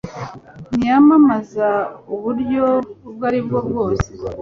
ntiyamamaza uburyo ubwo ari bwo bwose